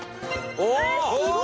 お。